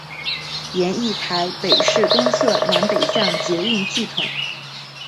研议台北市东侧南北向捷运系统。